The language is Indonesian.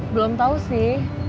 belum tau sih